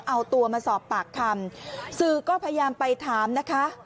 เอาตัวมาสอบปากคำสื่อก็พยายามไปถามนะคะ